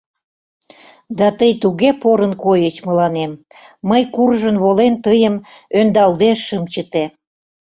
Да тый туге порын койыч мыланем, мый куржын волен тыйым ӧндалде шым чыте!